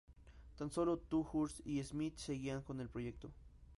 Tan solo Tolhurst y Smith seguían con el proyecto.